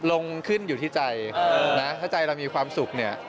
ลงขึ้นอยู่ที่ใจนะถ้าใจเรามีความสุขเนี่ย